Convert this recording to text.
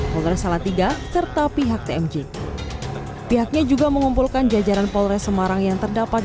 polres salatiga serta pihak tmj pihaknya juga mengumpulkan jajaran polres semarang yang terdapat